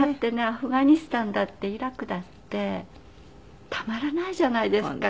アフガニスタンだってイラクだってたまらないじゃないですか。